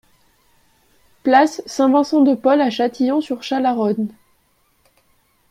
Place Saint-Vincent de Paul à Châtillon-sur-Chalaronne